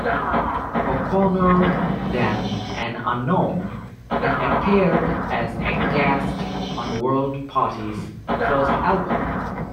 O'Connor, then an unknown, had appeared as a guest on World Party's first album.